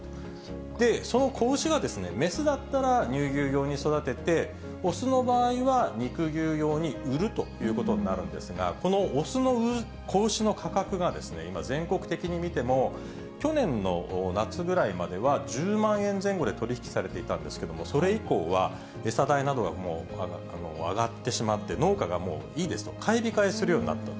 で、その子牛がですね、雌だったら、乳牛用に育てて、雄の場合は肉牛用に売るということになるんですが、この雄の子牛の価格が今、全国的に見ても去年の夏ぐらいまでは１０万円前後で取り引きされていたんですけれども、それ以降は餌代などがもう上がってしまって、農家がもういいですと、買い控えするようになったと。